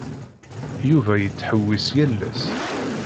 Yuba yettḥewwis yal ass.